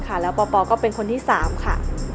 ค่ะแล้วปอปอก็เป็นคนที่สามค่ะ